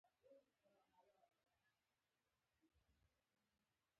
فلیریک په ډنډه مړي وهل.